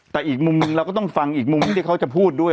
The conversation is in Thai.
แต่อีกมุมเราก็ต้องฟังอีกมุมที่เขาจะพูดด้วย